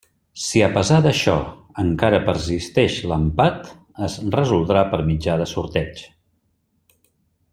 Si a pesar d'això encara persisteix l'empat, es resoldrà per mitjà de sorteig.